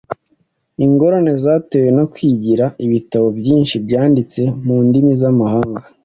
ingorane zatewe no kugira ibitabo byinshi byanditse mu ndimi z’amahanga